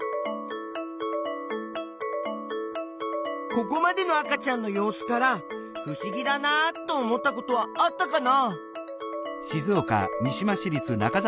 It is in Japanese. ここまでの赤ちゃんの様子からふしぎだなと思ったことはあったかな？